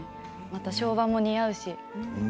昭和も似合うし。